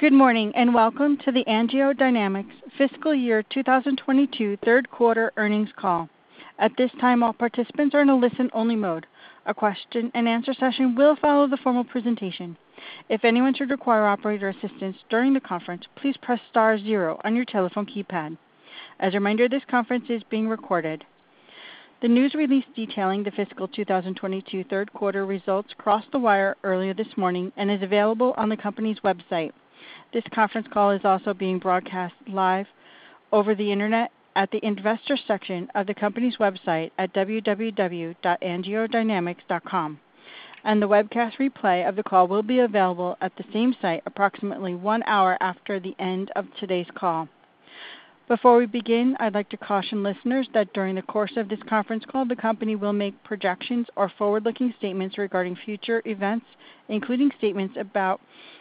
Good morning, and welcome to the AngioDynamics fiscal year 2022 third quarter earnings call. At this time, all participants are in a listen-only mode. A question and answer session will follow the formal presentation. If anyone should require operator assistance during the conference, please press star zero on your telephone keypad. As a reminder, this conference is being recorded. The news release detailing the fiscal 2022 third quarter results crossed the wire earlier this morning and is available on the company's website. This conference call is also being broadcast live over the Internet at the Investor section of the company's website at www.angiodynamics.com. The webcast replay of the call will be available at the same site approximately one hour after the end of today's call. Before we begin, I'd like to caution listeners that during the course of this conference call, the company will make projections or forward-looking statements regarding future events, including statements about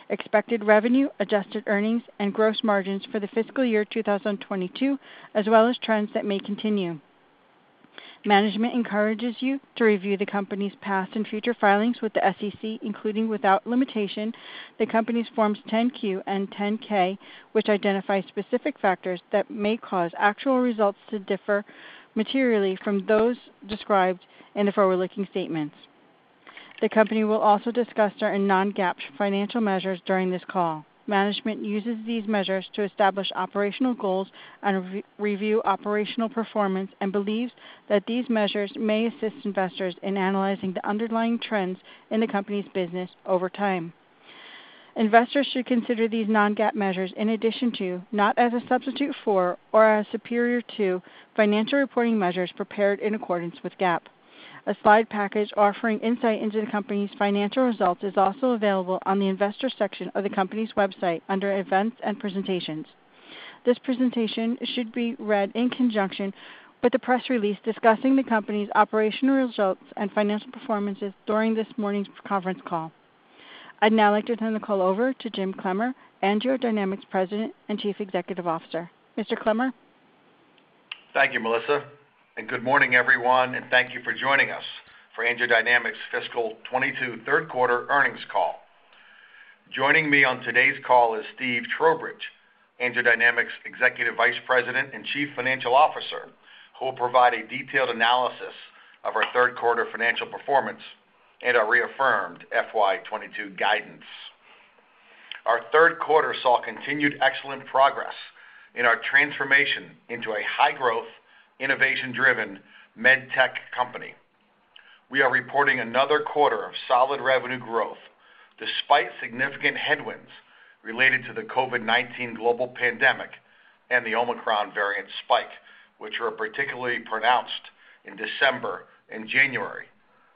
expected revenue, adjusted earnings, and gross margins for the fiscal year 2022, as well as trends that may continue. Management encourages you to review the company's past and future filings with the SEC, including, without limitation, the company's Forms 10-Q and 10-K, which identify specific factors that may cause actual results to differ materially from those described in the forward-looking statements. The company will also discuss certain non-GAAP financial measures during this call. Management uses these measures to establish operational goals and review operational performance and believes that these measures may assist investors in analyzing the underlying trends in the company's business over time. Investors should consider these non-GAAP measures in addition to, not as a substitute for, or as superior to, financial reporting measures prepared in accordance with GAAP. A slide package offering insight into the company's financial results is also available on the investor section of the company's website under Events and Presentations. This presentation should be read in conjunction with the press release discussing the company's operational results and financial performances during this morning's conference call. I'd now like to turn the call over to Jim Clemmer, AngioDynamics President and Chief Executive Officer. Mr. Clemmer. Thank you, Melissa. Good morning, everyone, and thank you for joining us for AngioDynamics' fiscal 2022 third quarter earnings call. Joining me on today's call is Steve Trowbridge, AngioDynamics' Executive Vice President and Chief Financial Officer, who will provide a detailed analysis of our third quarter financial performance and our reaffirmed FY 2022 guidance. Our third quarter saw continued excellent progress in our transformation into a high-growth, innovation-driven med tech company. We are reporting another quarter of solid revenue growth despite significant headwinds related to the COVID-19 global pandemic and the Omicron variant spike, which were particularly pronounced in December and January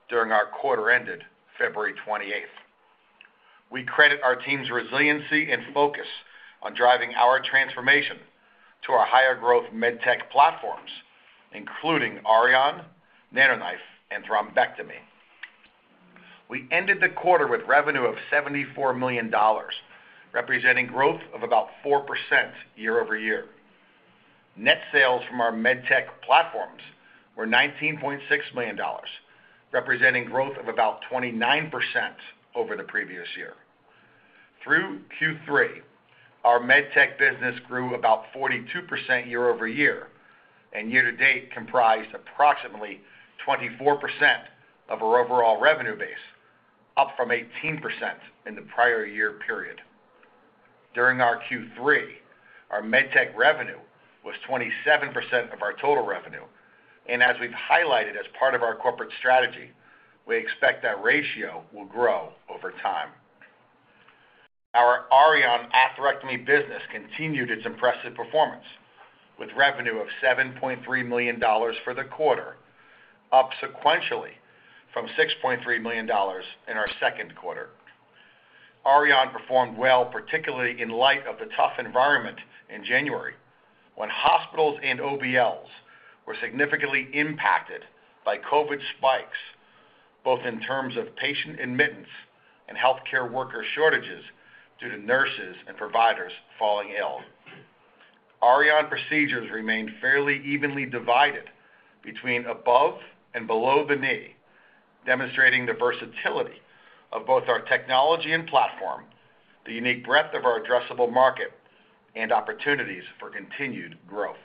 during our quarter ended February 28. We credit our team's resiliency and focus on driving our transformation to our higher-growth Med Tech platforms, including Auryon, NanoKnife, and thrombectomy. We ended the quarter with revenue of $74 million, representing growth of about 4% year-over-year. Net sales from our Med Tech platforms were $19.6 million, representing growth of about 29% over the previous year. Through Q3, our Med Tech business grew about 42% year-over-year and year to date comprised approximately 24% of our overall revenue base, up from 18% in the prior year period. During our Q3, our Med Tech revenue was 27% of our total revenue. As we've highlighted as part of our corporate strategy, we expect that ratio will grow over time. Our Auryon atherectomy business continued its impressive performance, with revenue of $7.3 million for the quarter, up sequentially from $6.3 million in our second quarter. Auryon performed well, particularly in light of the tough environment in January, when hospitals and OBLs were significantly impacted by COVID spikes, both in terms of patient admittance and healthcare worker shortages due to nurses and providers falling ill. Auryon procedures remained fairly evenly divided between above and below the knee, demonstrating the versatility of both our technology and platform, the unique breadth of our addressable market, and opportunities for continued growth.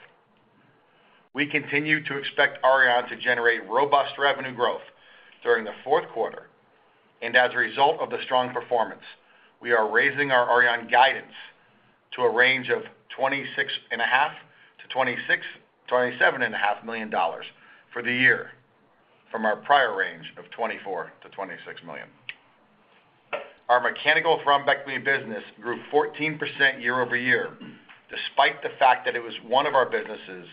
We continue to expect Auryon to generate robust revenue growth during the fourth quarter. As a result of the strong performance, we are raising our Auryon guidance to a range of $26,500,000-$27,500,000 for the year from our prior range of $24 million-$26 million. Our mechanical thrombectomy business grew 14% year-over-year, despite the fact that it was one of our businesses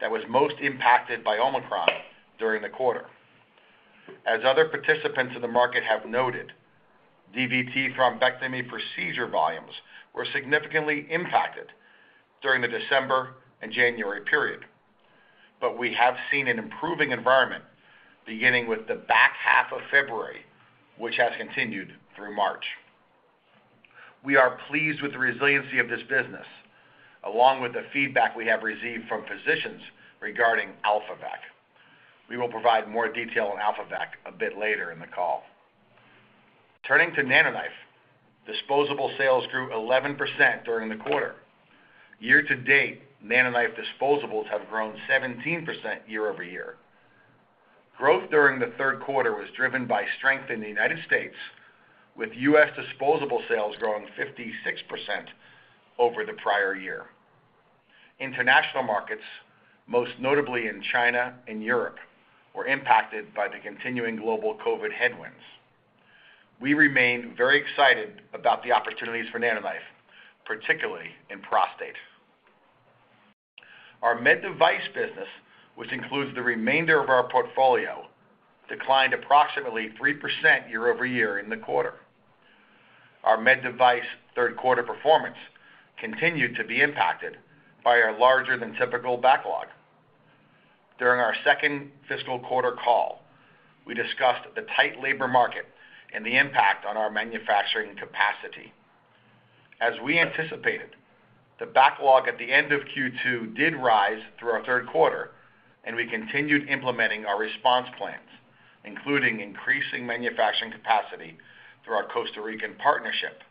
that was most impacted by Omicron during the quarter. As other participants in the market have noted, DVT thrombectomy procedure volumes were significantly impacted during the December and January period. We have seen an improving environment beginning with the back half of February, which has continued through March. We are pleased with the resiliency of this business, along with the feedback we have received from physicians regarding AlphaVac. We will provide more detail on AlphaVac a bit later in the call. Turning to NanoKnife, disposable sales grew 11% during the quarter. Year to date, NanoKnife disposables have grown 17% year-over-year. Growth during the third quarter was driven by strength in the United States, with U.S. disposable sales growing 56% over the prior year. International markets, most notably in China and Europe, were impacted by the continuing global COVID headwinds. We remain very excited about the opportunities for NanoKnife, particularly in prostate. Our Med Device business, which includes the remainder of our portfolio, declined approximately 3% year-over-year in the quarter. Our Med Device third quarter performance continued to be impacted by our larger than typical backlog. During our second fiscal quarter call, we discussed the tight labor market and the impact on our manufacturing capacity. As we anticipated, the backlog at the end of Q2 did rise through our third quarter, and we continued implementing our response plans, including increasing manufacturing capacity through our Costa Rican partnership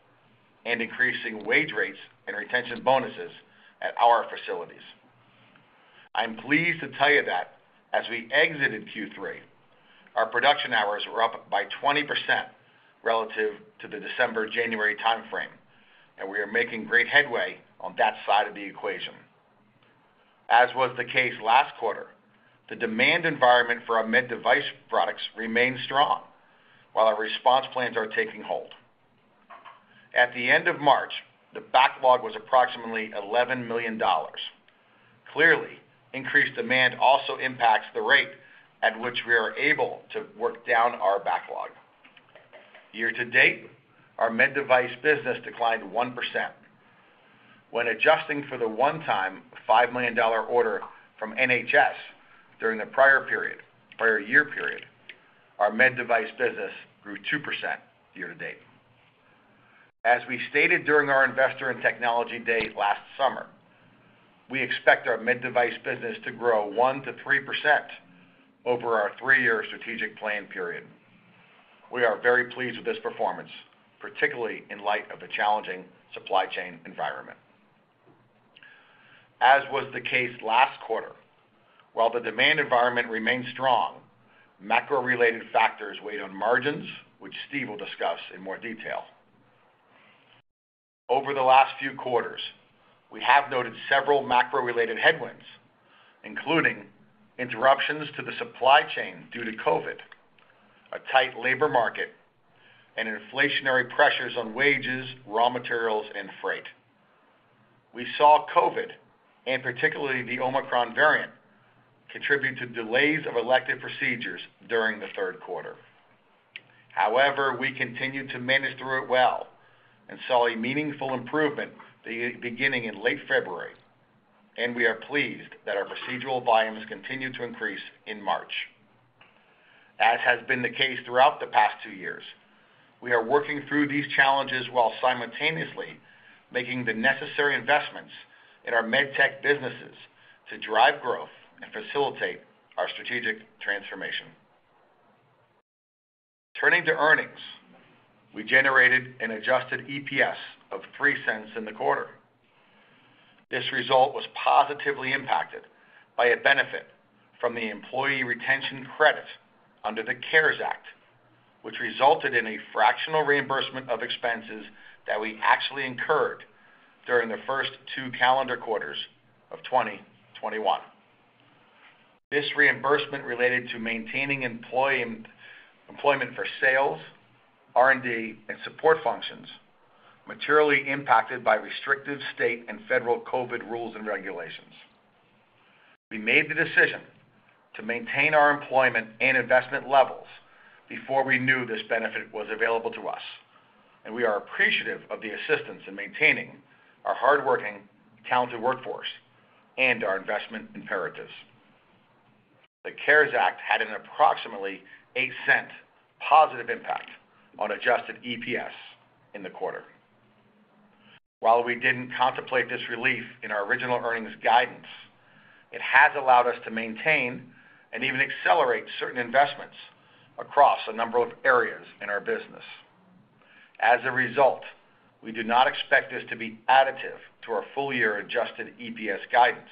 and increasing wage rates and retention bonuses at our facilities. I'm pleased to tell you that as we exited Q3, our production hours were up by 20% relative to the December-January time frame, and we are making great headway on that side of the equation. As was the case last quarter, the demand environment for our Med Device products remains strong while our response plans are taking hold. At the end of March, the backlog was approximately $11 million. Clearly, increased demand also impacts the rate at which we are able to work down our backlog. Year to date, our Med Device business declined 1%. When adjusting for the one-time $5 million order from NHS during the prior year period, our Med Device business grew 2% year to date. As we stated during our Investor and Technology Day last summer, we expect our Med Device business to grow 1%-3% over our three-year strategic plan period. We are very pleased with this performance, particularly in light of the challenging supply chain environment. As was the case last quarter, while the demand environment remains strong, macro-related factors weighed on margins, which Steve will discuss in more detail. Over the last few quarters, we have noted several macro-related headwinds, including interruptions to the supply chain due to COVID, a tight labor market, and inflationary pressures on wages, raw materials, and freight. We saw COVID, and particularly the Omicron variant, contribute to delays of elective procedures during the third quarter. However, we continued to manage through it well and saw a meaningful improvement beginning in late February, and we are pleased that our procedural volumes continued to increase in March. As has been the case throughout the past two years, we are working through these challenges while simultaneously making the necessary investments in our Med Tech businesses to drive growth and facilitate our strategic transformation. Turning to earnings, we generated an adjusted EPS of $0.03 in the quarter. This result was positively impacted by a benefit from the employee retention credit under the CARES Act, which resulted in a fractional reimbursement of expenses that we actually incurred during the first two calendar quarters of 2021. This reimbursement related to maintaining employment for sales, R&D, and support functions materially impacted by restrictive state and federal COVID rules and regulations. We made the decision to maintain our employment and investment levels before we knew this benefit was available to us, and we are appreciative of the assistance in maintaining our hardworking, talented workforce and our investment imperatives. The CARES Act had an approximately $0.08 positive impact on adjusted EPS in the quarter. While we didn't contemplate this relief in our original earnings guidance, it has allowed us to maintain and even accelerate certain investments across a number of areas in our business. As a result, we do not expect this to be additive to our full year adjusted EPS guidance,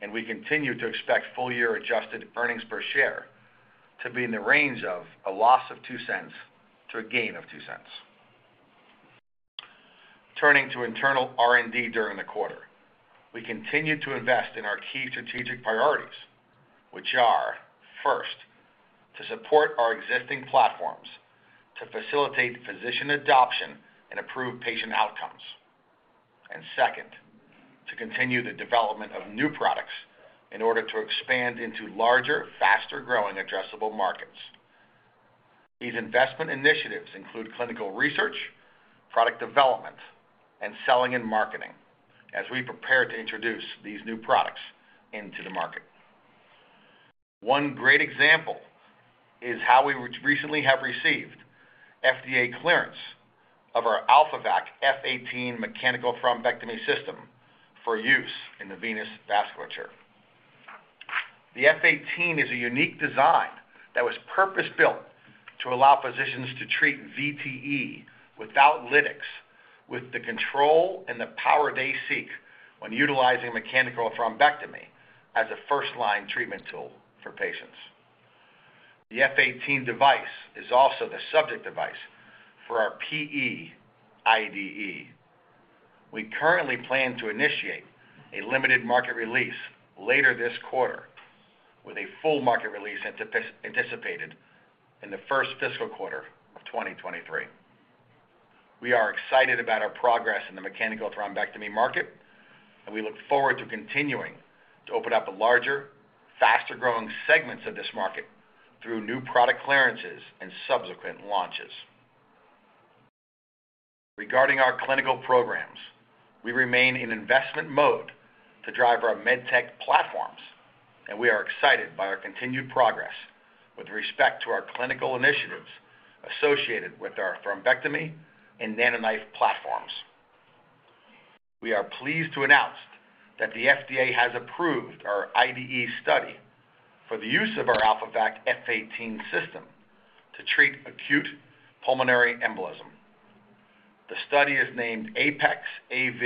and we continue to expect full year adjusted earnings per share to be in the range of a loss of $0.02 to a gain of $0.02. Turning to internal R&D during the quarter, we continued to invest in our key strategic priorities, which are, first, to support our existing platforms to facilitate physician adoption and improve patient outcomes. Second, to continue the development of new products in order to expand into larger, faster-growing addressable markets. These investment initiatives include clinical research, product development, and selling and marketing as we prepare to introduce these new products into the market. One great example is how we recently have received FDA clearance of our AlphaVac F18 mechanical thrombectomy system for use in the venous vasculature. The F18 is a unique design that was purpose-built to allow physicians to treat VTE without lytics with the control and the power they seek when utilizing mechanical thrombectomy as a first-line treatment tool for patients. The F18 device is also the subject device for our PE IDE. We currently plan to initiate a limited market release later this quarter, with a full market release anticipated in the first fiscal quarter of 2023. We are excited about our progress in the mechanical thrombectomy market, and we look forward to continuing to open up larger, faster-growing segments of this market through new product clearances and subsequent launches. Regarding our clinical programs, we remain in investment mode to drive our Med Tech platforms, and we are excited by our continued progress with respect to our clinical initiatives associated with our thrombectomy and NanoKnife platforms. We are pleased to announce that the FDA has approved our IDE study for the use of our AlphaVac F18 system to treat acute pulmonary embolism. The study is named APEX-AV,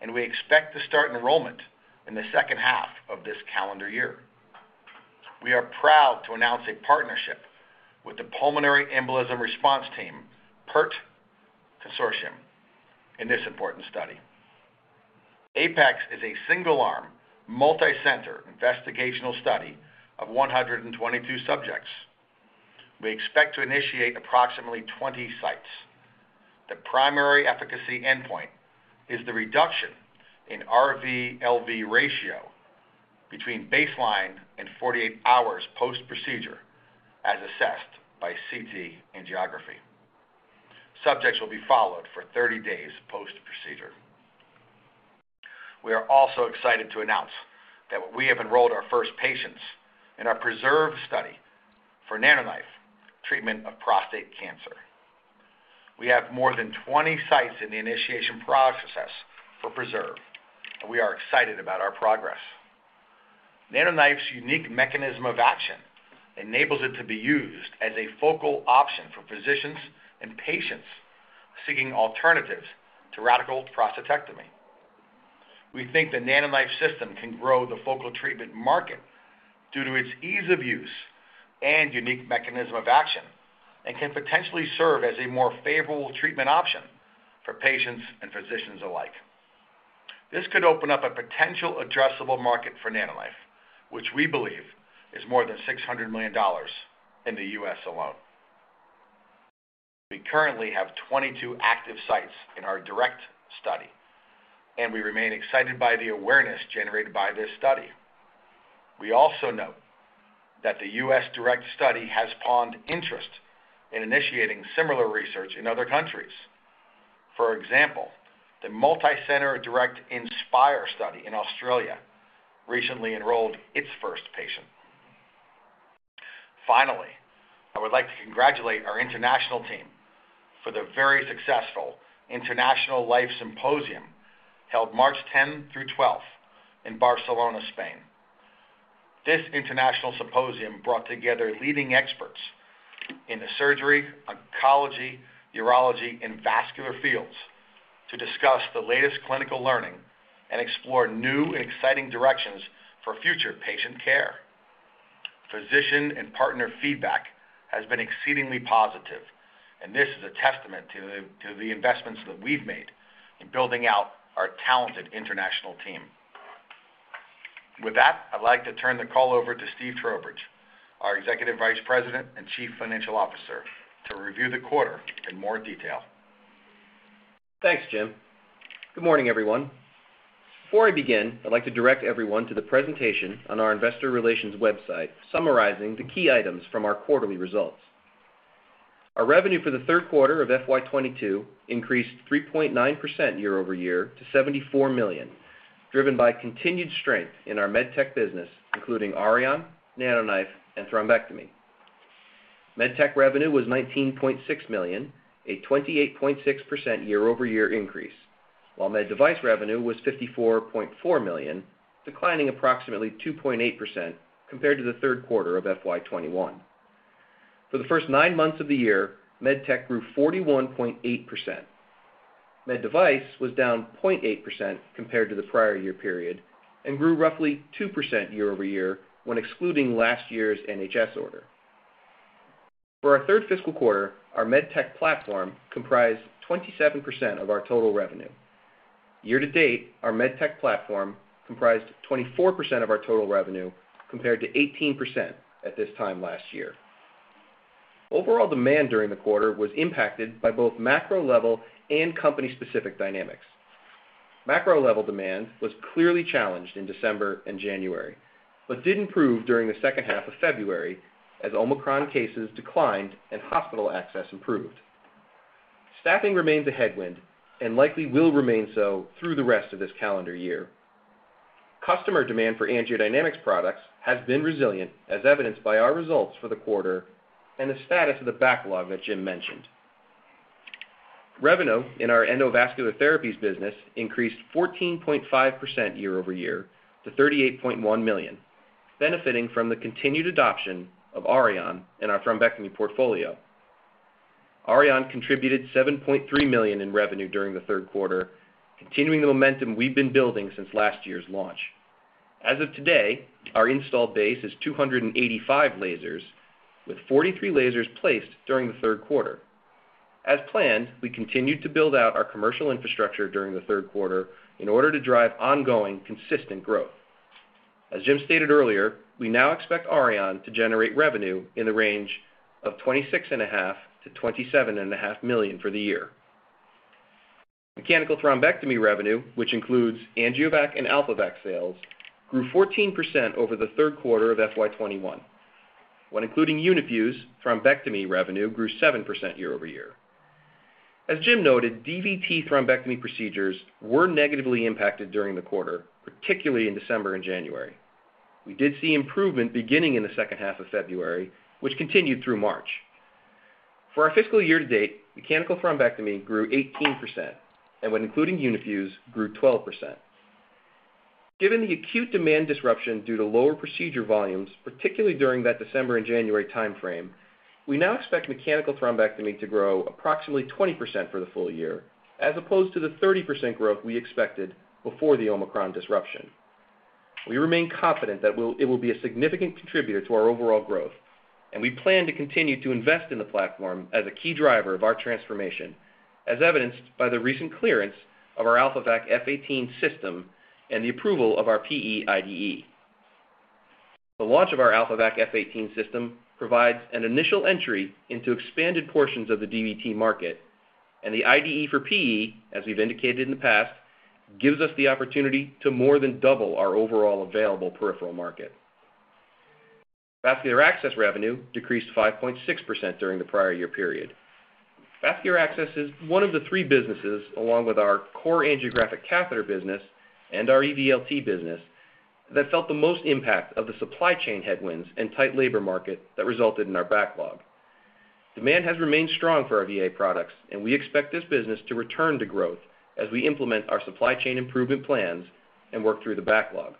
and we expect to start enrollment in the second half of this calendar year. We are proud to announce a partnership with the Pulmonary Embolism Response Team, PERT Consortium, in this important study. APEX is a single-arm, multi-center investigational study of 122 subjects. We expect to initiate approximately 20 sites. The primary efficacy endpoint is the reduction in RV/LV ratio between baseline and 48 hours post-procedure as assessed by CT angiography. Subjects will be followed for 30 days post-procedure. We are also excited to announce that we have enrolled our first patients in our PRESERVE study for NanoKnife treatment of prostate cancer. We have more than 20 sites in the initiation process for PRESERVE, and we are excited about our progress. NanoKnife's unique mechanism of action enables it to be used as a focal option for physicians and patients seeking alternatives to radical prostatectomy. We think the NanoKnife system can grow the focal treatment market due to its ease of use and unique mechanism of action and can potentially serve as a more favorable treatment option for patients and physicians alike. This could open up a potential addressable market for NanoKnife, which we believe is more than $600 million in the U.S. alone. We currently have 22 active sites in our DIRECT study, and we remain excited by the awareness generated by this study. We also note that the U.S. DIRECT study has spawned interest in initiating similar research in other countries. For example, the multi-center DIRECT/InspIRE study in Australia recently enrolled its first patient. Finally, I would like to congratulate our international team for the very successful International Life Symposium held March 10 through 12 in Barcelona, Spain. This international symposium brought together leading experts in the surgery, oncology, urology, and vascular fields to discuss the latest clinical learning and explore new and exciting directions for future patient care. Physician and partner feedback has been exceedingly positive, and this is a testament to the investments that we've made in building out our talented international team. With that, I'd like to turn the call over to Steve Trowbridge, our Executive Vice President and Chief Financial Officer, to review the quarter in more detail. Thanks, Jim. Good morning, everyone. Before I begin, I'd like to direct everyone to the presentation on our investor relations website summarizing the key items from our quarterly results. Our revenue for the third quarter of FY 2022 increased 3.9% year-over-year to $74 million, driven by continued strength in our Med Tech business, including Auryon, NanoKnife, and thrombectomy. Med Tech revenue was $19.6 million, a 28.6% year-over-year increase, while Med Device revenue was $54.4 million, declining approximately 2.8% compared to the third quarter of FY 2021. For the first nine months of the year, Med Tech grew 41.8%. Med Device was down 0.8% compared to the prior year period and grew roughly 2% year-over-year when excluding last year's NHS order. For our third fiscal quarter, our Med Tech platform comprised 27% of our total revenue. Year-to-date, our Med Tech platform comprised 24% of our total revenue compared to 18% at this time last year. Overall demand during the quarter was impacted by both macro level and company-specific dynamics. Macro level demand was clearly challenged in December and January, but did improve during the second half of February as Omicron cases declined and hospital access improved. Staffing remains a headwind and likely will remain so through the rest of this calendar year. Customer demand for AngioDynamics products has been resilient, as evidenced by our results for the quarter and the status of the backlog that Jim mentioned. Revenue in our endovascular therapies business increased 14.5% year-over-year to $38.1 million, benefiting from the continued adoption of Auryon in our thrombectomy portfolio. Auryon contributed $7.3 million in revenue during the third quarter, continuing the momentum we've been building since last year's launch. As of today, our installed base is 285 lasers, with 43 lasers placed during the third quarter. As planned, we continued to build out our commercial infrastructure during the third quarter in order to drive ongoing consistent growth. As Jim stated earlier, we now expect Auryon to generate revenue in the range of $26.5 million-$27.5 million for the year. Mechanical thrombectomy revenue, which includes AngioVac and AlphaVac sales, grew 14% over the third quarter of FY 2021. When including Uni-Fuse, thrombectomy revenue grew 7% year-over-year. As Jim noted, DVT thrombectomy procedures were negatively impacted during the quarter, particularly in December and January. We did see improvement beginning in the second half of February, which continued through March. For our fiscal year to date, mechanical thrombectomy grew 18%, and when including Uni-Fuse, grew 12%. Given the acute demand disruption due to lower procedure volumes, particularly during that December and January timeframe, we now expect mechanical thrombectomy to grow approximately 20% for the full year, as opposed to the 30% growth we expected before the Omicron disruption. We remain confident it will be a significant contributor to our overall growth, and we plan to continue to invest in the platform as a key driver of our transformation, as evidenced by the recent clearance of our AlphaVac F18 system and the approval of our PE IDE. The launch of our AlphaVac F18 system provides an initial entry into expanded portions of the DVT market, and the IDE for PE, as we've indicated in the past, gives us the opportunity to more than double our overall available peripheral market. Vascular access revenue decreased 5.6% during the prior year period. Vascular access is one of the three businesses, along with our core angiographic catheter business and our EVLT business, that felt the most impact of the supply chain headwinds and tight labor market that resulted in our backlog. Demand has remained strong for our VA products, and we expect this business to return to growth as we implement our supply chain improvement plans and work through the backlog.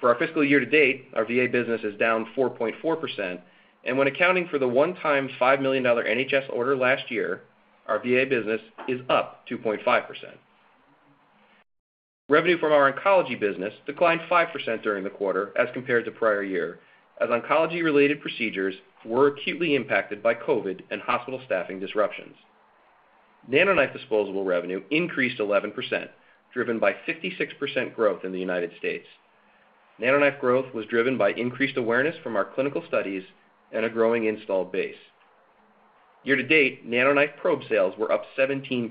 For our fiscal year to date, our VA business is down 4.4%, and when accounting for the one-time $5 million NHS order last year, our VA business is up 2.5%. Revenue from our oncology business declined 5% during the quarter as compared to prior year, as oncology-related procedures were acutely impacted by COVID and hospital staffing disruptions. NanoKnife disposable revenue increased 11%, driven by 56% growth in the United States. NanoKnife growth was driven by increased awareness from our clinical studies and a growing installed base. Year to date, NanoKnife probe sales were up 17%.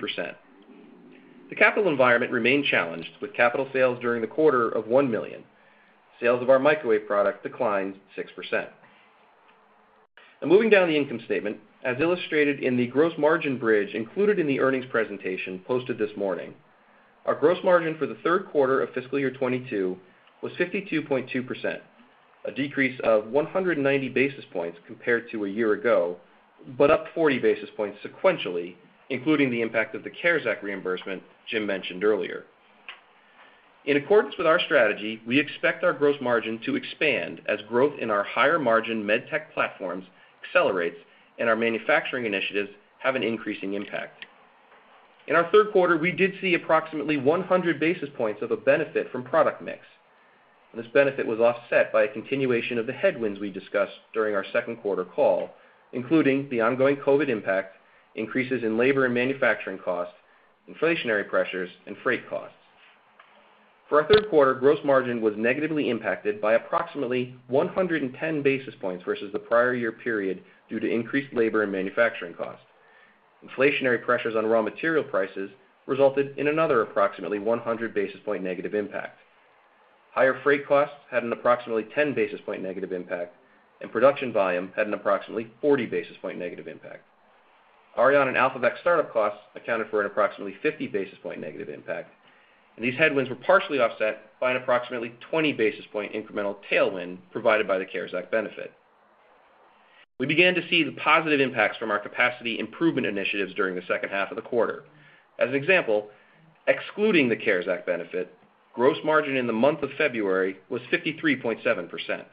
The capital environment remained challenged with capital sales during the quarter of $1 million. Sales of our microwave product declined 6%. Now moving down the income statement. As illustrated in the gross margin bridge included in the earnings presentation posted this morning, our gross margin for the third quarter of fiscal year 2022 was 52.2%, a decrease of 190 basis points compared to a year ago, but up 40 basis points sequentially, including the impact of the CARES Act reimbursement Jim mentioned earlier. In accordance with our strategy, we expect our gross margin to expand as growth in our higher-margin Med Tech platforms accelerates and our manufacturing initiatives have an increasing impact. In our third quarter, we did see approximately 100 basis points of a benefit from product mix. This benefit was offset by a continuation of the headwinds we discussed during our second quarter call, including the ongoing COVID impact, increases in labor and manufacturing costs, inflationary pressures, and freight costs. For our third quarter, gross margin was negatively impacted by approximately 110 basis points versus the prior year period due to increased labor and manufacturing costs. Inflationary pressures on raw material prices resulted in another approximately 100 basis points negative impact. Higher freight costs had an approximately 10 basis points negative impact, and production volume had an approximately 40 basis points negative impact. Auryon and AlphaVac startup costs accounted for an approximately 50 basis points negative impact, and these headwinds were partially offset by an approximately 20 basis points incremental tailwind provided by the CARES Act benefit. We began to see the positive impacts from our capacity improvement initiatives during the second half of the quarter. As an example, excluding the CARES Act benefit, gross margin in the month of February was 53.7%.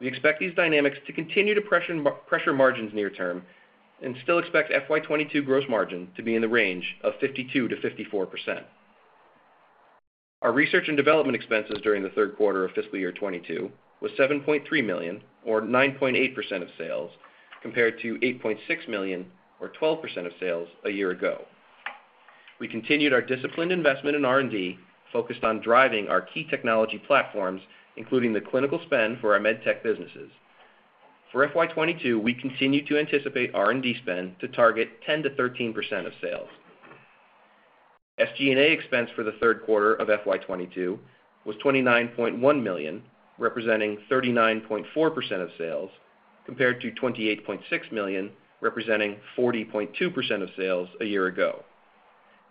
We expect these dynamics to continue to pressure margins near term and still expect FY 2022 gross margin to be in the range of 52%-54%. Our research and development expenses during the third quarter of fiscal year 2022 were $7.3 million or 9.8% of sales, compared to $8.6 million or 12% of sales a year ago. We continued our disciplined investment in R&D focused on driving our key technology platforms, including the clinical spend for our Med Tech businesses. For FY 2022, we continue to anticipate R&D spend to target 10%-13% of sales. SG&A expense for the third quarter of FY 2022 was $29.1 million, representing 39.4% of sales, compared to $28.6 million, representing 40.2% of sales a year ago.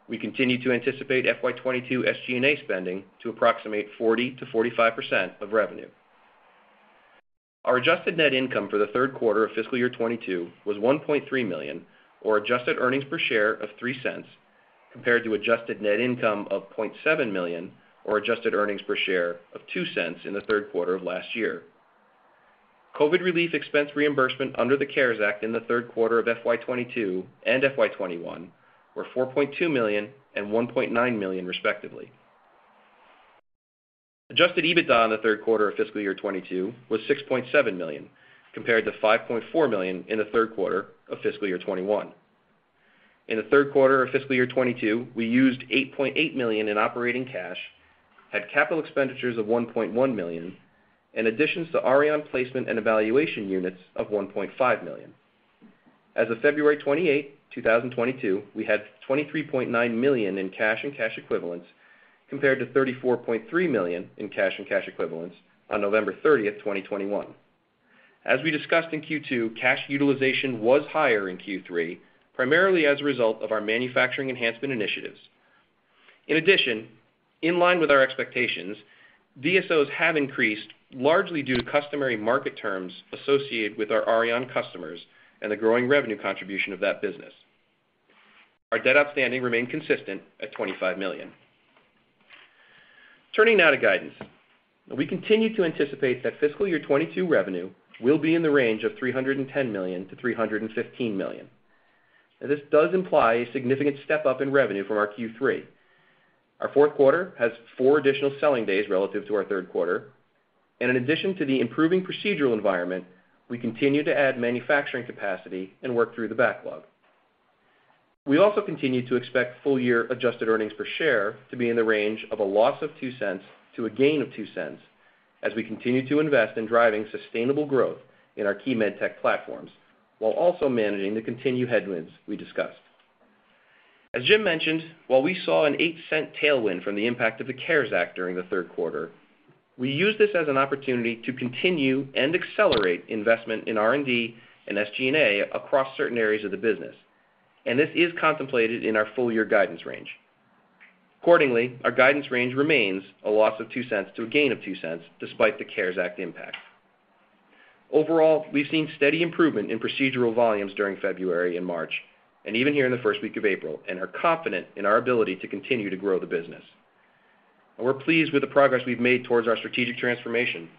We continue to anticipate FY 2022 SG&A spending to approximate 40%-45% of revenue. Our adjusted net income for the third quarter of FY 2022 was $1.3 million or adjusted earnings per share of $0.03 compared to adjusted net income of $0.7 million or adjusted earnings per share of $0.02 in the third quarter of last year. COVID relief expense reimbursement under the CARES Act in the third quarter of FY 2022 and FY 2021 were $4.2 million and $1.9 million, respectively. Adjusted EBITDA in the third quarter of FY 2022 was $6.7 million, compared to $5.4 million in the third quarter of FY 2021. In the third quarter of FY 2022, we used $8.8 million in operating cash, had capital expenditures of $1.1 million, and additions to Auryon placement and evaluation units of $1.5 million. As of February 28, 2022, we had $23.9 million in cash and cash equivalents compared to $34.3 million in cash and cash equivalents on November 30, 2021. As we discussed in Q2, cash utilization was higher in Q3, primarily as a result of our manufacturing enhancement initiatives. In addition, in line with our expectations, DSOs have increased largely due to customary market terms associated with our Auryon customers and the growing revenue contribution of that business. Our debt outstanding remained consistent at $25 million. Turning now to guidance. We continue to anticipate that fiscal year 2022 revenue will be in the range of $310 million-$315 million. This does imply a significant step-up in revenue from our Q3. Our fourth quarter has 4 additional selling days relative to our third quarter. In addition to the improving procedural environment, we continue to add manufacturing capacity and work through the backlog. We also continue to expect full year adjusted earnings per share to be in the range of a loss of $0.02 to a gain of $0.02 as we continue to invest in driving sustainable growth in our key Med Tech platforms while also managing the continued headwinds we discussed. As Jim mentioned, while we saw a $0.08 tailwind from the impact of the CARES Act during the third quarter, we used this as an opportunity to continue and accelerate investment in R&D and SG&A across certain areas of the business, and this is contemplated in our full year guidance range. Accordingly, our guidance range remains a loss of $0.02 to a gain of $0.02 despite the CARES Act impact. Overall, we've seen steady improvement in procedural volumes during February and March, and even here in the first week of April, and are confident in our ability to continue to grow the business. We're pleased with the progress we've made towards our strategic transformation.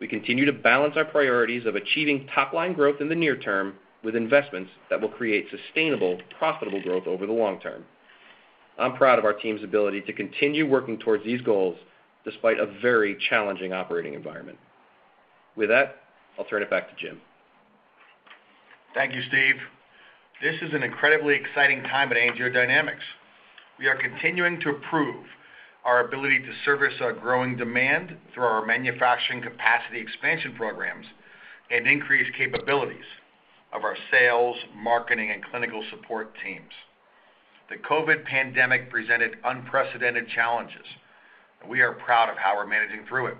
We continue to balance our priorities of achieving top line growth in the near term with investments that will create sustainable, profitable growth over the long term. I'm proud of our team's ability to continue working towards these goals despite a very challenging operating environment. With that, I'll turn it back to Jim. Thank you, Steve. This is an incredibly exciting time at AngioDynamics. We are continuing to improve our ability to service our growing demand through our manufacturing capacity expansion programs and increase capabilities of our sales, marketing, and clinical support teams. The COVID pandemic presented unprecedented challenges, and we are proud of how we're managing through it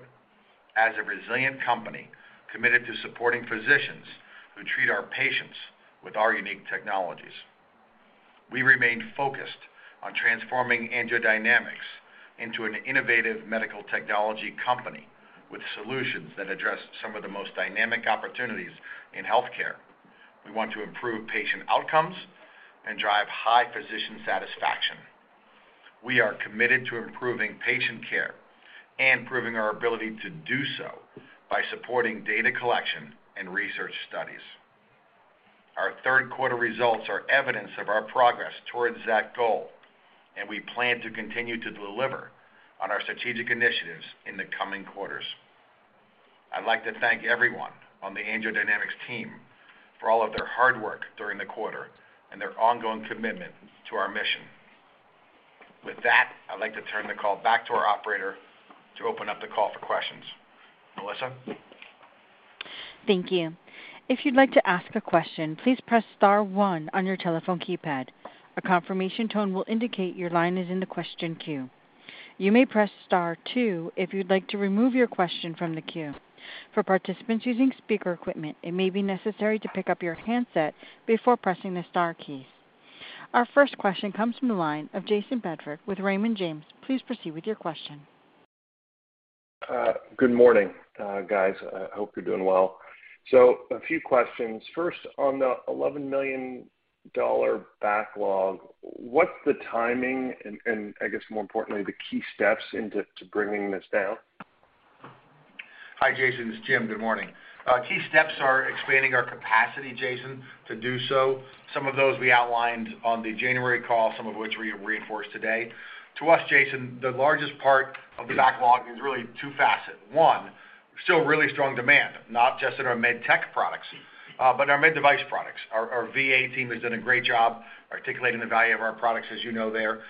as a resilient company committed to supporting physicians who treat our patients with our unique technologies. We remain focused on transforming AngioDynamics into an innovative medical technology company with solutions that address some of the most dynamic opportunities in healthcare. We want to improve patient outcomes and drive high physician satisfaction. We are committed to improving patient care and proving our ability to do so by supporting data collection and research studies. Our third quarter results are evidence of our progress towards that goal, and we plan to continue to deliver on our strategic initiatives in the coming quarters. I'd like to thank everyone on the AngioDynamics team for all of their hard work during the quarter and their ongoing commitment to our mission. With that, I'd like to turn the call back to our operator to open up the call for questions. Melissa? Thank you. If you'd like to ask a question, please press star one on your telephone keypad. A confirmation tone will indicate your line is in the question queue. You may press star two if you'd like to remove your question from the queue. For participants using speaker equipment, it may be necessary to pick up your handset before pressing the star keys. Our first question comes from the line of Jayson Bedford with Raymond James. Please proceed with your question. Good morning, guys. I hope you're doing well. A few questions. First, on the $11 million backlog, what's the timing and, I guess more importantly, the key steps into bringing this down? Hi, Jayson, it's Jim. Good morning. Key steps are expanding our capacity, Jayson, to do so. Some of those we outlined on the January call, some of which we reinforced today. To us, Jayson, the largest part of the backlog is really two-faceted. One, still really strong demand, not just in our med tech products, but our Med Device products. Our VA team has done a great job articulating the value of our products, as you know, there.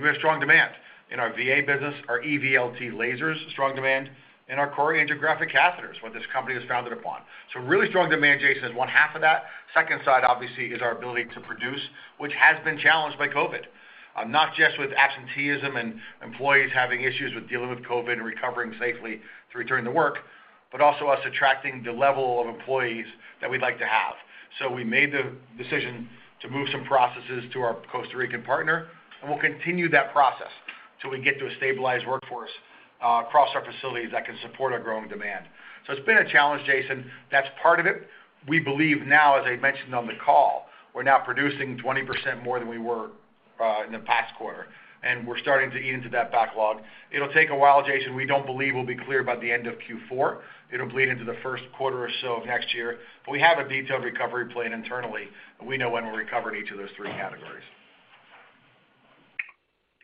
We have strong demand in our VA business, our EVLT lasers, strong demand, and our core angiographic catheters, what this company was founded upon. Really strong demand, Jayson, is one half of that. Second side, obviously, is our ability to produce, which has been challenged by COVID. Not just with absenteeism and employees having issues with dealing with COVID and recovering safely to return to work, but also us attracting the level of employees that we'd like to have. We made the decision to move some processes to our Costa Rican partner, and we'll continue that process till we get to a stabilized workforce across our facilities that can support our growing demand. It's been a challenge, Jayson. That's part of it. We believe now, as I mentioned on the call, we're now producing 20% more than we were in the past quarter, and we're starting to eat into that backlog. It'll take a while, Jayson. We don't believe we'll be clear by the end of Q4. It'll bleed into the first quarter or so of next year. We have a detailed recovery plan internally, and we know when we recovered each of those three categories.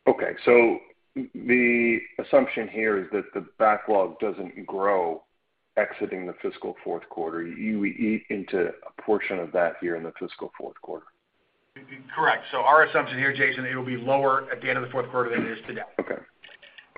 Okay. The assumption here is that the backlog doesn't grow exiting the fiscal fourth quarter. You eat into a portion of that here in the fiscal fourth quarter. Correct. Our assumption here, Jayson, it'll be lower at the end of the fourth quarter than it is today. Okay.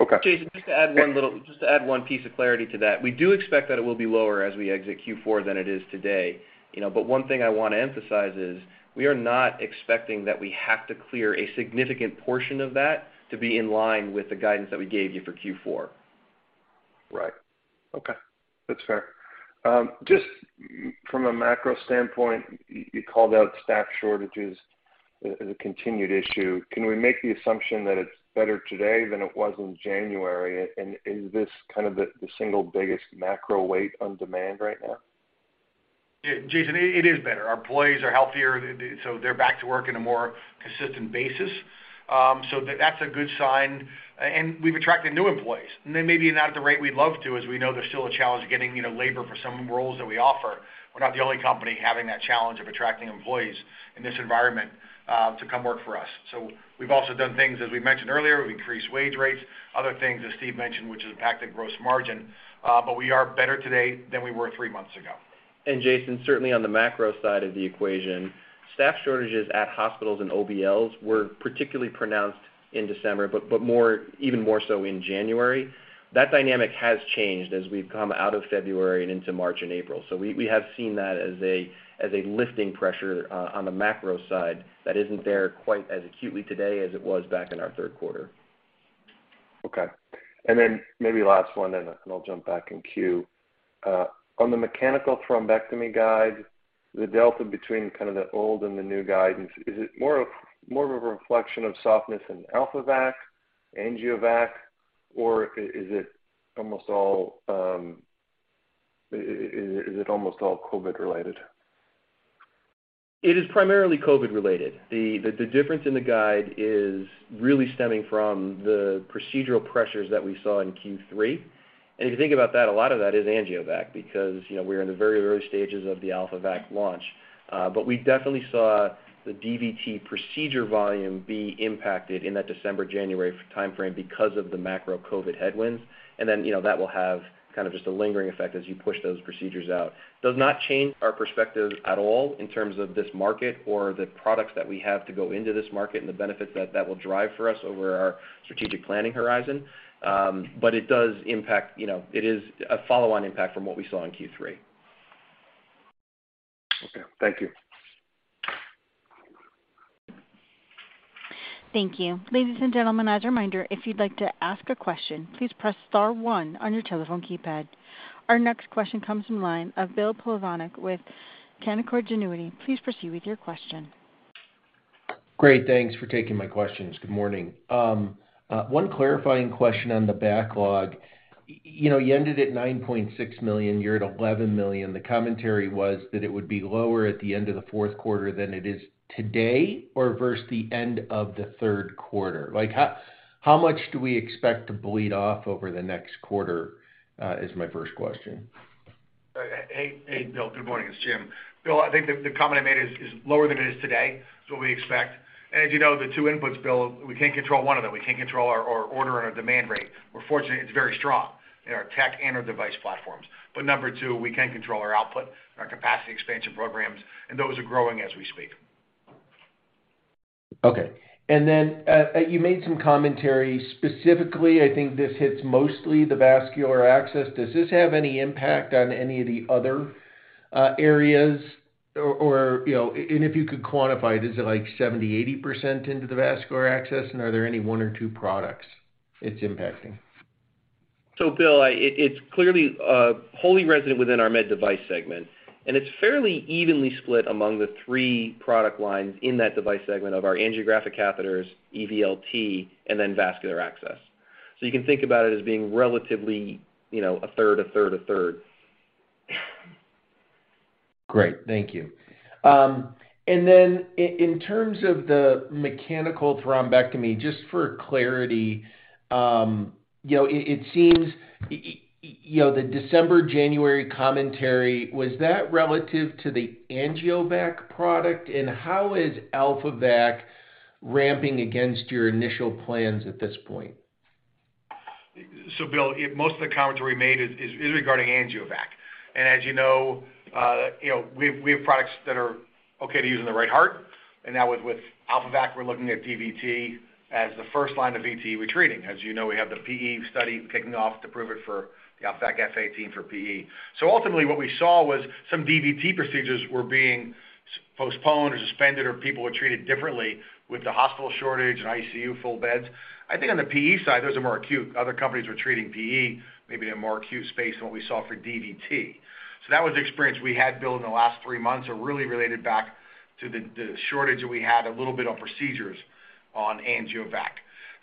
Okay. Jayson, just to add one piece of clarity to that, we do expect that it will be lower as we exit Q4 than it is today, you know. One thing I wanna emphasize is we are not expecting that we have to clear a significant portion of that to be in line with the guidance that we gave you for Q4. Right. Okay. That's fair. Just from a macro standpoint, you called out staff shortages as a continued issue. Can we make the assumption that it's better today than it was in January? Is this kind of the single biggest macro weight on demand right now? Yeah, Jayson, it is better. Our employees are healthier. They're back to work on a more consistent basis. That's a good sign. We've attracted new employees, and we may not be at the rate we'd love to, as we know there's still a challenge getting, you know, labor for some roles that we offer. We're not the only company having that challenge of attracting employees in this environment to come work for us. We've also done things, as we mentioned earlier. We've increased wage rates, other things, as Steve mentioned, which has impacted gross margin. We are better today than we were three months ago. Jayson, certainly on the macro side of the equation, staff shortages at hospitals and OBLs were particularly pronounced in December, but more, even more so in January. That dynamic has changed as we've come out of February and into March and April. We have seen that as a lifting pressure on the macro side that isn't there quite as acutely today as it was back in our third quarter. Okay. Maybe last one, and then I'll jump back in queue. On the mechanical thrombectomy guide, the delta between kind of the old and the new guidance, is it more of a reflection of softness in AlphaVac, AngioVac, or is it almost all COVID related? It is primarily COVID related. The difference in the guide is really stemming from the procedural pressures that we saw in Q3. If you think about that, a lot of that is AngioVac because, you know, we're in the very early stages of the AlphaVac launch. But we definitely saw the DVT procedure volume be impacted in that December-January timeframe because of the macro COVID headwinds. Then, you know, that will have kind of just a lingering effect as you push those procedures out. It does not change our perspective at all in terms of this market or the products that we have to go into this market and the benefits that that will drive for us over our strategic planning horizon, but it does impact, you know, it is a follow-on impact from what we saw in Q3. Okay. Thank you. Thank you. Ladies and gentlemen, as a reminder, if you'd like to ask a question, please press star one on your telephone keypad. Our next question comes from line of Bill Plovanic with Canaccord Genuity. Please proceed with your question. Great. Thanks for taking my questions. Good morning. One clarifying question on the backlog. You know, you ended at $9.6 million, you're at $11 million. The commentary was that it would be lower at the end of the fourth quarter than it is today or versus the end of the third quarter. Like how much do we expect to bleed off over the next quarter is my first question. Hey, hey, Bill. Good morning. It's Jim. Bill, I think the comment I made is lower than it is today is what we expect. As you know, the two inputs, Bill, we can't control one of them. We can't control our order and our demand rate. We're fortunate it's very strong in our tech and our device platforms. Number two, we can control our output and our capacity expansion programs, and those are growing as we speak. Okay. You made some commentary. Specifically, I think this hits mostly the vascular access. Does this have any impact on any of the other areas or, you know, and if you could quantify it, is it like 70%, 80% into the vascular access, and are there any one or two products it's impacting? Bill, it's clearly wholly resident within our Med Device segment, and it's fairly evenly split among the three product lines in that device segment of our angiographic catheters, EVLT, and then vascular access. You can think about it as being relatively, you know, a third, a third, a third. Great. Thank you. In terms of the mechanical thrombectomy, just for clarity, you know, it seems, you know, the December-January commentary, was that relative to the AngioVac product, and how is AlphaVac ramping against your initial plans at this point? Bill, most of the commentary made is regarding AngioVac. As you know, we have products that are okay to use in the right heart. Now with AlphaVac, we're looking at DVT as the first line of VTE we're treating. As you know, we have the PE study kicking off to prove it for the AlphaVac F18 for PE. Ultimately, what we saw was some DVT procedures were being postponed or suspended, or people were treated differently with the hospital shortage and ICU full beds. I think on the PE side, those are more acute. Other companies were treating PE maybe in a more acute space than what we saw for DVT. That was the experience we had, Bill, in the last three months, really related back to the shortage that we had a little bit on procedures on AngioVac.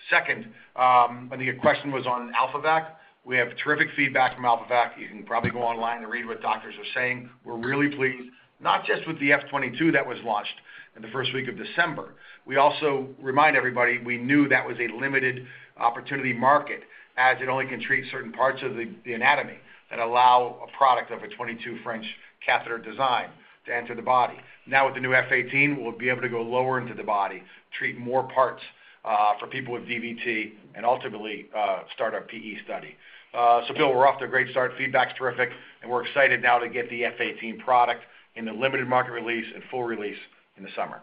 Second, I think your question was on AlphaVac. We have terrific feedback from AlphaVac. You can probably go online and read what doctors are saying. We're really pleased, not just with the AlphaVac F22 that was launched in the first week of December. We also remind everybody we knew that was a limited opportunity market as it only can treat certain parts of the anatomy that allow a product of a 22 French catheter design to enter the body. Now, with the new F18, we'll be able to go lower into the body, treat more parts, for people with DVT and ultimately, start our PE study. Bill, we're off to a great start. Feedback's terrific, and we're excited now to get the F18 product in the limited market release and full release in the summer.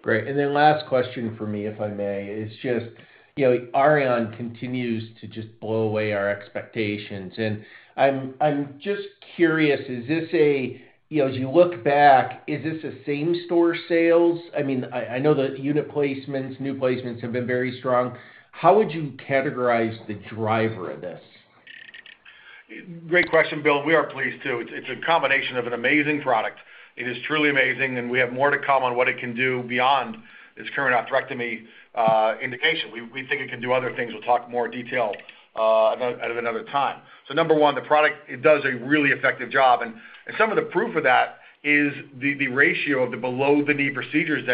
Great. Last question from me, if I may. It's just, you know, Auryon continues to just blow away our expectations. I'm just curious, is this a, you know, as you look back, is this the same store sales? I mean, I know the unit placements, new placements have been very strong. How would you categorize the driver of this? Great question, Bill. We are pleased too. It's a combination of an amazing product. It is truly amazing, and we have more to come on what it can do beyond its current atherectomy indication. We think it can do other things. We'll talk more detail at another time. Number one, the product, it does a really effective job. Some of the proof of that is the ratio of the below the knee procedures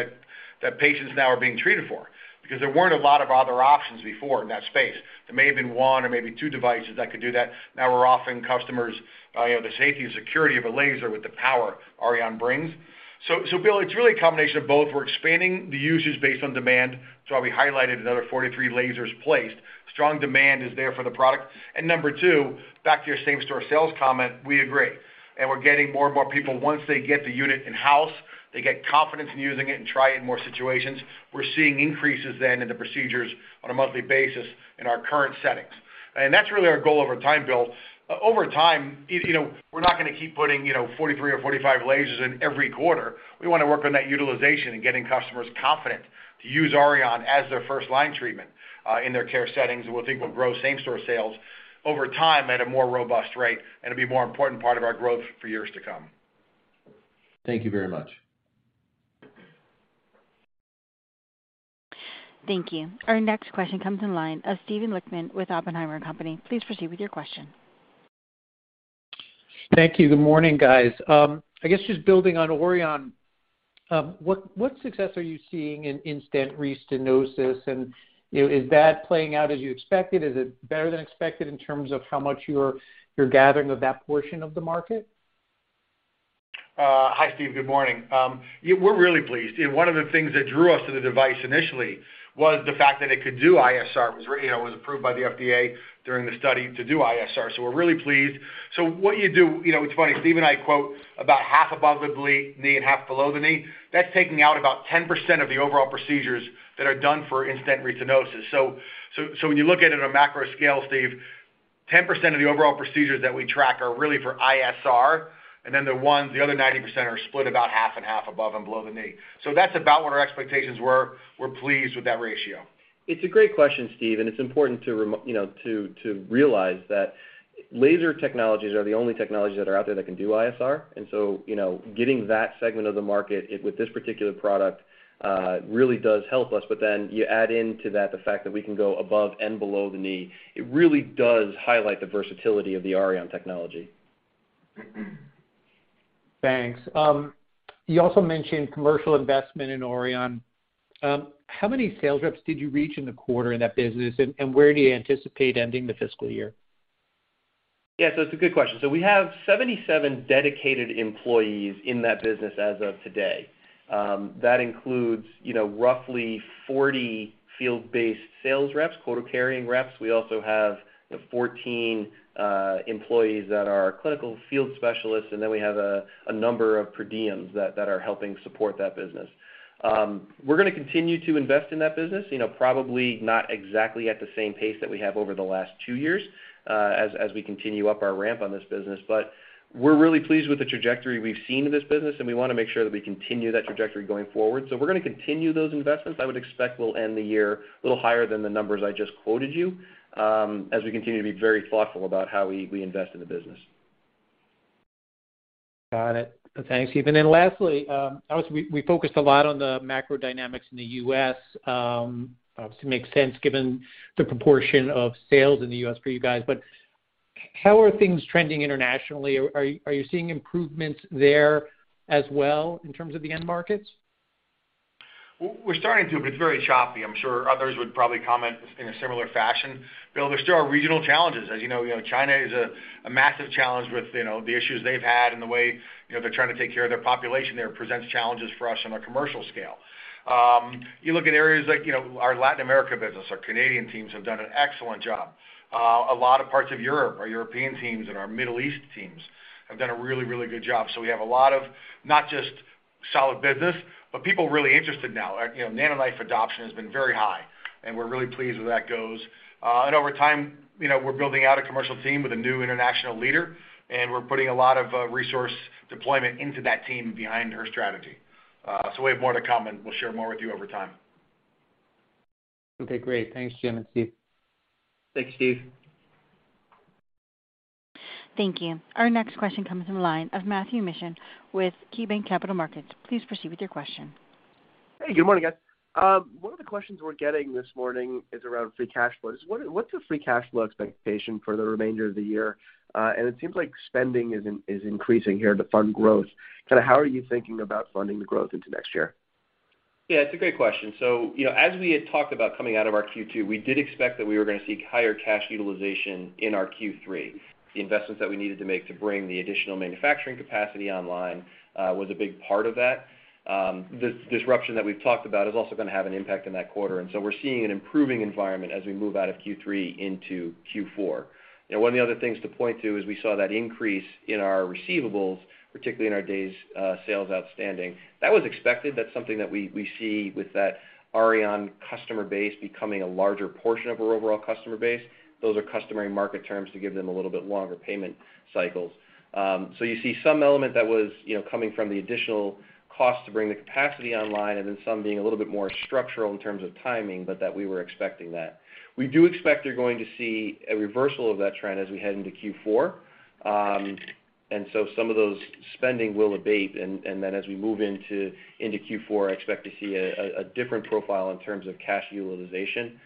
that patients now are being treated for. Because there weren't a lot of other options before in that space. There may have been one or maybe two devices that could do that. Now we're offering customers you know the safety and security of a laser with the power Auryon brings. Bill, it's really a combination of both. We're expanding the usage based on demand. That's why we highlighted another 43 lasers placed. Strong demand is there for the product. Number two, back to your same store sales comment, we agree. We're getting more and more people, once they get the unit in-house, they get confidence in using it and try it in more situations. We're seeing increases then in the procedures on a monthly basis in our current settings. That's really our goal over time, Bill. Over time, you know, we're not gonna keep putting, you know, 43 or 45 lasers in every quarter. We wanna work on that utilization and getting customers confident to use Auryon as their first line treatment in their care settings. We think we'll grow same store sales over time at a more robust rate and it'll be more important part of our growth for years to come. Thank you very much. Thank you. Our next question comes from the line of Steven Lichtman with Oppenheimer & Company. Please proceed with your question. Thank you. Good morning, guys. I guess just building on Auryon, what success are you seeing in in-stent restenosis, and, you know, is that playing out as you expected? Is it better than expected in terms of how much you're gathering of that portion of the market? Hi, Steve. Good morning. Yeah, we're really pleased. One of the things that drew us to the device initially was the fact that it could do ISR. It was, you know, approved by the FDA during the study to do ISR, so we're really pleased. What you do, you know, it's funny, Steve and I do about half above-the-knee and half below-the-knee. That's taking out about 10% of the overall procedures that are done for in-stent restenosis. When you look at it on a macro scale, Steve, 10% of the overall procedures that we track are really for ISR, and then the other 90% are split about half and half above and below the knee. That's about what our expectations were. We're pleased with that ratio. It's a great question, Steve, and it's important, you know, to realize that laser technologies are the only technologies that are out there that can do ISR. You know, getting that segment of the market with this particular product really does help us. You add into that the fact that we can go above and below the knee, it really does highlight the versatility of the Auryon technology. Thanks. You also mentioned commercial investment in Auryon. How many sales reps did you reach in the quarter in that business, and where do you anticipate ending the fiscal year? It's a good question. We have 77 dedicated employees in that business as of today. That includes, you know, roughly 40 field-based sales reps, quota-carrying reps. We also have the 14 employees that are clinical field specialists, and then we have a number of per diems that are helping support that business. We're gonna continue to invest in that business, you know, probably not exactly at the same pace that we have over the last two years, as we continue up our ramp on this business. But we're really pleased with the trajectory we've seen in this business, and we wanna make sure that we continue that trajectory going forward. We're gonna continue those investments. I would expect we'll end the year a little higher than the numbers I just quoted you, as we continue to be very thoughtful about how we invest in the business. Got it. Thanks, Stephen. Lastly, obviously we focused a lot on the macro dynamics in the U.S., obviously makes sense given the proportion of sales in the U.S. for you guys. How are things trending internationally? Are you seeing improvements there as well in terms of the end markets? We're starting to, but it's very choppy. I'm sure others would probably comment in a similar fashion. Bill, there still are regional challenges. As you know, China is a massive challenge with you know, the issues they've had and the way you know, they're trying to take care of their population there presents challenges for us on a commercial scale. You look at areas like you know, our Latin America business. Our Canadian teams have done an excellent job. A lot of parts of Europe, our European teams and our Middle East teams have done a really good job. We have a lot of not just solid business, but people really interested now. You know, NanoKnife adoption has been very high, and we're really pleased where that goes. Over time, you know, we're building out a commercial team with a new international leader, and we're putting a lot of resource deployment into that team behind her strategy. We have more to come, and we'll share more with you over time. Okay, great. Thanks, Jim and Steve. Thanks, Steve. Thank you. Our next question comes from the line of Matthew Mishan with KeyBanc Capital Markets. Please proceed with your question. Hey, good morning, guys. One of the questions we're getting this morning is around free cash flow. Just what's your free cash flow expectation for the remainder of the year? It seems like spending is increasing here to fund growth. Kinda, how are you thinking about funding the growth into next year? Yeah, it's a great question. You know, as we had talked about coming out of our Q2, we did expect that we were gonna see higher cash utilization in our Q3. The investments that we needed to make to bring the additional manufacturing capacity online was a big part of that. The disruption that we've talked about is also gonna have an impact in that quarter, and we're seeing an improving environment as we move out of Q3 into Q4. You know, one of the other things to point to is we saw that increase in our receivables, particularly in our days sales outstanding. That was expected. That's something that we see with that Auryon customer base becoming a larger portion of our overall customer base. Those are customary market terms to give them a little bit longer payment cycles. You see some element that was, you know, coming from the additional cost to bring the capacity online and then some being a little bit more structural in terms of timing, but that we were expecting that. We do expect you're going to see a reversal of that trend as we head into Q4. Some of those spending will abate, and then as we move into Q4, I expect to see a different profile in terms of cash utilization. You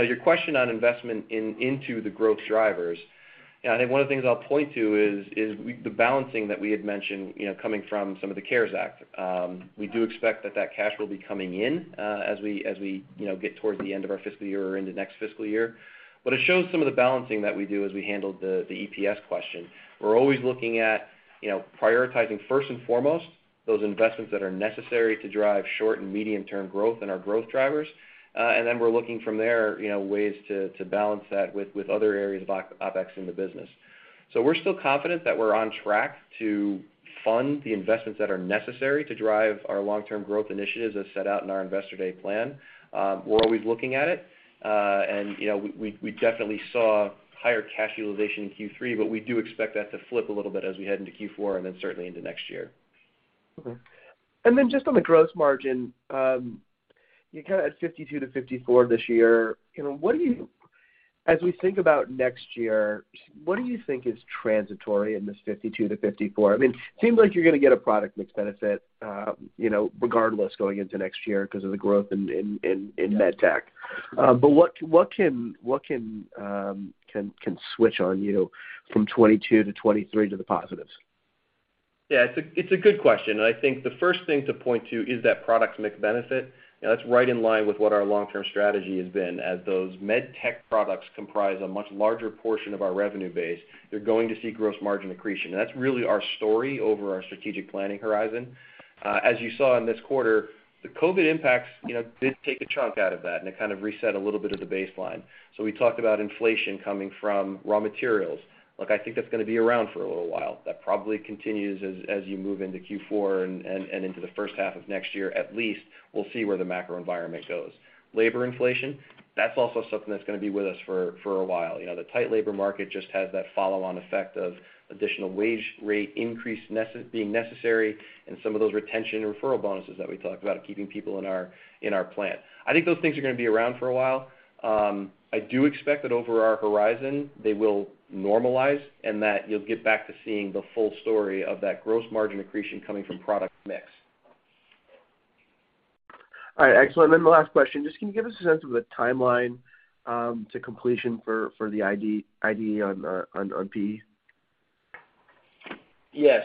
know, your question on investment into the growth drivers, you know, I think one of the things I'll point to is the balancing that we had mentioned, you know, coming from some of the CARES Act. We do expect that cash will be coming in, as we you know get towards the end of our fiscal year or into next fiscal year. It shows some of the balancing that we do as we handle the EPS question. We're always looking at, you know, prioritizing first and foremost those investments that are necessary to drive short and medium-term growth and our growth drivers and then we're looking from there, you know, ways to balance that with other areas of CapEx in the business. We're still confident that we're on track to fund the investments that are necessary to drive our long-term growth initiatives as set out in our Investor Day plan. We're always looking at it, you know, we definitely saw higher cash utilization in Q3, but we do expect that to flip a little bit as we head into Q4 and then certainly into next year. Okay. Just on the gross margin, you're kinda at 52%-54% this year. You know, as we think about next year, what do you think is transitory in this 52%-54%? I mean, seems like you're gonna get a product mix benefit, you know, regardless going into next year because of the growth in Med Tech. But what can switch on you from 2022 to 2023 to the positives? Yeah, it's a good question. I think the first thing to point to is that product mix benefit. You know, that's right in line with what our long-term strategy has been. As those Med Tech products comprise a much larger portion of our revenue base, they're going to see gross margin accretion, and that's really our story over our strategic planning horizon. As you saw in this quarter, the COVID impacts, you know, did take a chunk out of that, and it kind of reset a little bit of the baseline. We talked about inflation coming from raw materials. Look, I think that's gonna be around for a little while. That probably continues as you move into Q4 and into the first half of next year. At least we'll see where the macro environment goes. Labor inflation, that's also something that's gonna be with us for a while. You know, the tight labor market just has that follow-on effect of additional wage rate increase being necessary and some of those retention and referral bonuses that we talked about, keeping people in our plant. I think those things are gonna be around for a while. I do expect that over our horizon, they will normalize and that you'll get back to seeing the full story of that gross margin accretion coming from product mix. All right, excellent. The last question. Just can you give us a sense of a timeline to completion for the IDE on PE? Yeah,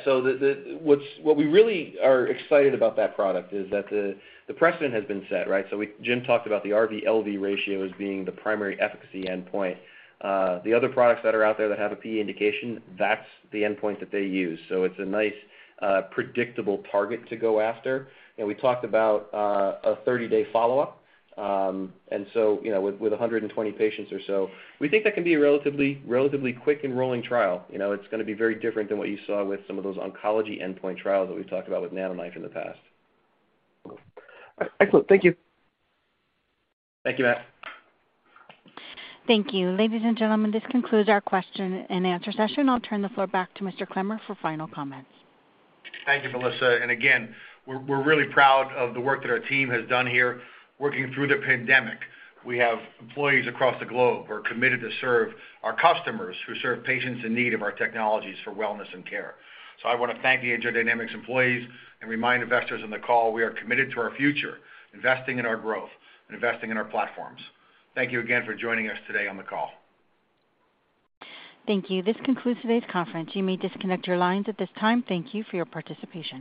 what we really are excited about that product is that the precedent has been set, right? Jim talked about the RV/LV ratio as being the primary efficacy endpoint. The other products that are out there that have a PE indication, that's the endpoint that they use. It's a nice predictable target to go after. We talked about a 30-day follow-up. You know, with 120 patients or so, we think that can be a relatively quick enrolling trial, you know? It's gonna be very different than what you saw with some of those oncology endpoint trials that we've talked about with NanoKnife in the past. Okay. Excellent. Thank you. Thank you, Matt. Thank you. Ladies and gentlemen, this concludes our question and answer session. I'll turn the floor back to Mr. Clemmer for final comments. Thank you, Melissa. Again, we're really proud of the work that our team has done here working through the pandemic. We have employees across the globe who are committed to serve our customers who serve patients in need of our technologies for wellness and care. I wanna thank the AngioDynamics employees and remind investors on the call, we are committed to our future, investing in our growth and investing in our platforms. Thank you again for joining us today on the call. Thank you. This concludes today's conference. You may disconnect your lines at this time. Thank you for your participation.